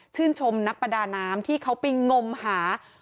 ชมนักประดาน้ำที่เขาไปงมหา